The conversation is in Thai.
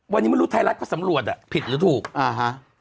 วันนี้ไม่รู้ไทยรัฐเขาสำรวจอ่ะผิดหรือถูกอ่าฮะ